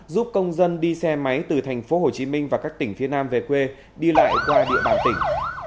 giúp công dân đi xe máy từ thành phố hồ chí minh và các tỉnh phía nam về quê đi lại qua địa bàn tỉnh